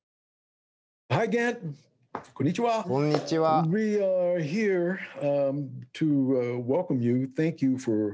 こんにちは。